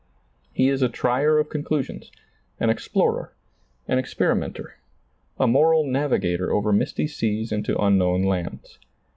He is a trier of conclu sions, an explorer, an experimenter, a moral navigator over misty seas into unknown lands.